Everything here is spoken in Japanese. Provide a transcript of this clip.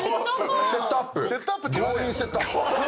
セットアップ。